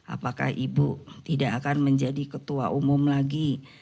apakah ibu tidak akan menjadi ketua umum lagi